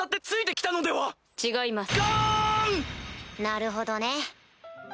なるほどね。